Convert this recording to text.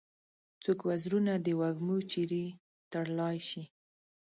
څوک وزرونه د وږمو چیري تړلای شي؟